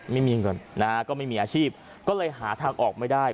ไม่มีเงินนะฮะก็ไม่มีอาชีพก็เลยหาทางออกไม่ได้